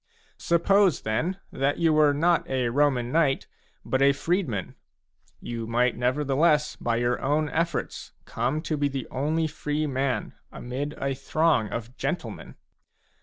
6 Suppose, then, that you were not a Roman knight, <^ but a freedman, you might nevertheless by your own efforts come to be the only free man amid a throng of gentlemen.